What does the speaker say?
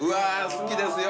好きですよ